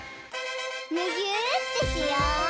むぎゅーってしよう！